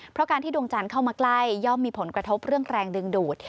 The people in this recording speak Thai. เพราะการที่ดวงจันทร์เข้ามาใกล้ย่อมมีผลกระทบเรื่องแรงดึงดูด